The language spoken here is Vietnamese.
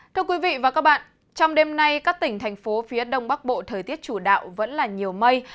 thưa quý vị và các bạn trong đêm nay các tỉnh thành phố phía đông bắc bộ thời tiết chủ đạo vẫn là nhiều mây